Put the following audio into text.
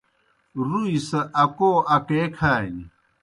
رُوْئی سہ اکو اکے کھانیْ